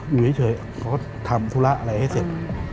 อยู่เฉยเขาก็ทำธุระอะไรให้เสร็จ